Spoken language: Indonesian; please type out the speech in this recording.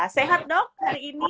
sehat dong hari ini